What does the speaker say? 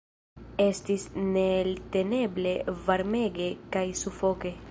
Estis neelteneble varmege kaj sufoke.